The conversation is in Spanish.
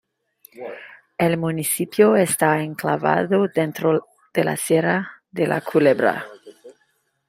El municipio está enclavado dentro de la sierra de la Culebra.